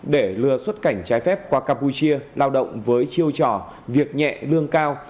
để lừa xuất cảnh trái phép qua campuchia lao động với chiêu trò việc nhẹ lương cao